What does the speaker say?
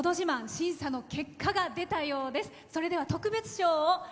審査の結果が出たようです。